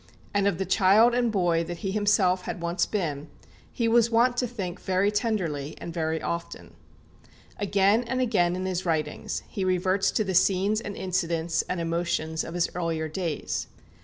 And of the child and boy that he himself had once been, he was wont to think very tenderly and very often. Again and again in his writings he reverts to the scenes and incidents and emotions of his earlier days.